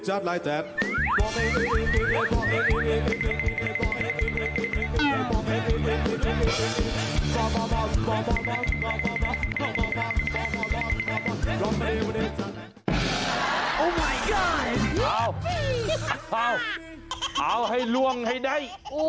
อ้าวให้ล่วงให้ได้